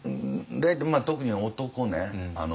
特に男ね